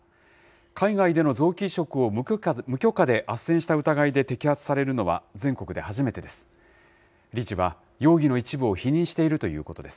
海外での臓器移植を無許可であっせんした疑いで摘発されるのは、全国で初めてです。